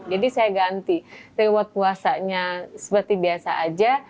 jadi saya ganti reward puasanya seperti biasa aja